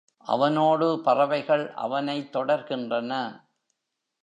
அவனோடு பறவைகள் அவனைத் தொடர்கின்றன.